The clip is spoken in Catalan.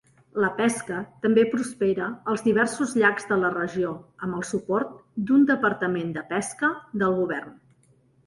La pesca també prospera als diversos llacs de la regió, amb el suport d'un departament de pesca del govern.